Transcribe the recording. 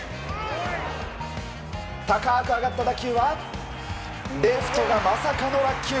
高く上がった打球はレフトがまさかの落球。